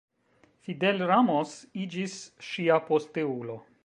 Fidel Ramos iĝis ŝia posteulo.